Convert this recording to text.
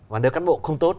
và nếu cán bộ không tốt